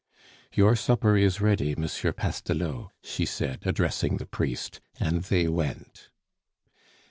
"Your supper is ready, M. Pastelot," she said, addressing the priest, and they went.